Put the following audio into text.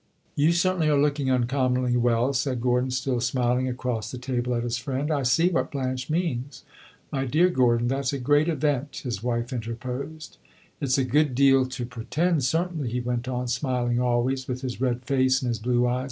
"You certainly are looking uncommonly well," said Gordon, still smiling, across the table, at his friend. "I see what Blanche means " "My dear Gordon, that 's a great event," his wife interposed. "It 's a good deal to pretend, certainly," he went on, smiling always, with his red face and his blue eyes.